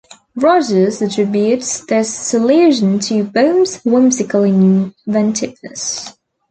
Rogers attributes this solution to Baum's "whimsical inventiveness".